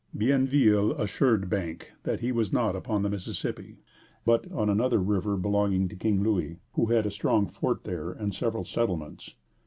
Bienville assured Bank that he was not upon the Mississippi, but on another river belonging to King Louis, who had a strong fort there and several settlements.